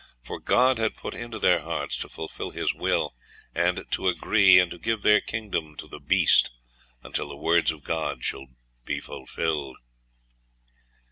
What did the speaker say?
For God had put into their hearts to fulfil His will, and to agree, and to give their kingdom to the beast, until the words of God should be fulfilled.